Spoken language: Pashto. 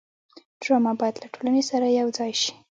ډرامه باید له ټولنې سره یوځای شي